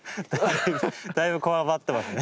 だいぶこわばってますね？